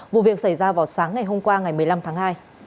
vụ việc xảy ra vào sáng ngày hôm qua ngày một mươi năm tháng hai